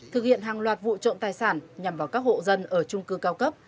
thực hiện hàng loạt vụ trộm tài sản nhằm vào các hộ dân ở trung cư cao cấp